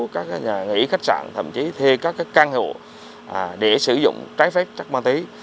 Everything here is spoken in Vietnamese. các nhà nghỉ khách sạn thậm chí thê các căn hộ để sử dụng trái phép ma túy